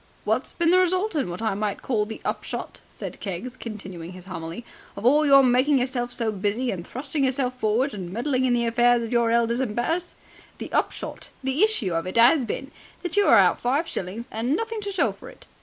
"What's been the result and what I might call the upshot," said Keggs, continuing his homily, "of all your making yourself so busy and thrusting of yourself forward and meddling in the affairs of your elders and betters? The upshot and issue of it 'as been that you are out five shillings and nothing to show for it.